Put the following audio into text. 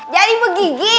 jadi mpok gigi